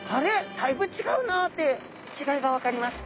だいぶ違うなって違いが分かります。